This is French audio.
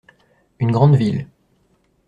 Une grande ville.